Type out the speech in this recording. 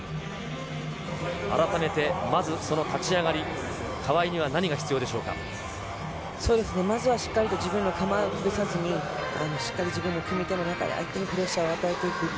改めて、まずその立ち上がり、まずはしっかりと自分の構えを崩さずに、しっかり自分の組み手の中で、相手にプレッシャーを与えていく。